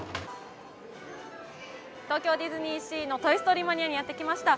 東京ディズニーシーのトイ・ストーリー・マニア！にやってきました。